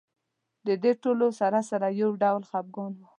د دې ټولو سره سره یو ډول خپګان و.